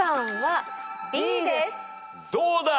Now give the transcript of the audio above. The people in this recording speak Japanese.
どうだ？